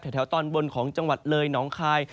แถวตอนบนของจังหวัดเลยหนองคาย